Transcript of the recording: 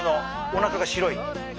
おなかが白い。